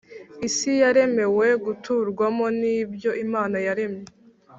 Isi yaremewe guturwamo nibyo Imana yaremye